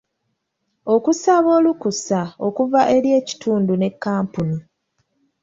Okusabanga olukusa okuva eri ekitundu ne kkampuni.